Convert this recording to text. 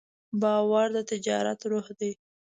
باور د تجارت روح دی.